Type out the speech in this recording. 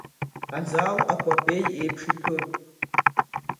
Азал акәапеи еиԥш иҭәын.